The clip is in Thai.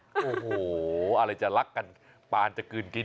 โอ้โหอะไรจะรักกันปานจะกลืนกิน